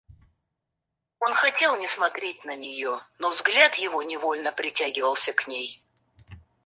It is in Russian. Он хотел не смотреть на нее, но взгляд его невольно притягивался к ней.